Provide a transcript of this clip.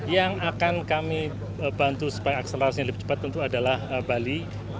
yang akan kami bantu supaya akselerasinya lebih cepat tentu adalah bali